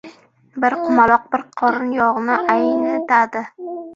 • Bir qumaloq bir qorin yog‘ni aynitadi.